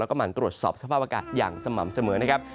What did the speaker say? แล้วก็มาตรวจสอบสภาพอากาศอย่างสม่ำเสมอนะครับ